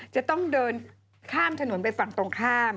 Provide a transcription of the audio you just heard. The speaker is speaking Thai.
จะต้องเดินข้ามถนนไปฝั่งตรงข้าม